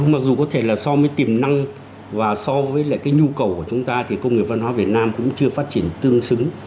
mặc dù có thể là so với tiềm năng và so với lại cái nhu cầu của chúng ta thì công nghiệp văn hóa việt nam cũng chưa phát triển tương xứng